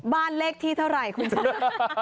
คุณเลขที่เท่าไหร่คุณผู้ชม